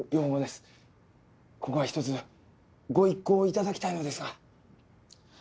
ここはひとつご一考頂きたいのですが。